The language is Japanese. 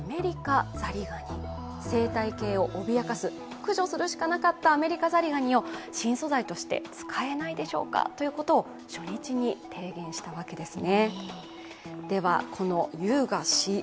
駆除するしかなかったアメリカザリガニを新素材として使えないでしょうかということを、初日に提言したわけですね。